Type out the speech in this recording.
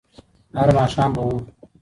هر ماښام به وو